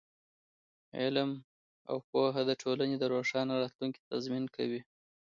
علم او پوهه د ټولنې د روښانه راتلونکي تضمین کوي.